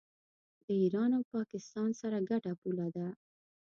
د ایران او پاکستان سره ګډه پوله ده.